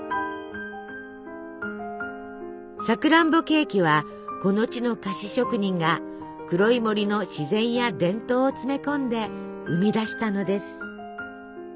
さくらんぼケーキはこの地の菓子職人が黒い森の自然や伝統を詰め込んで生み出したのです。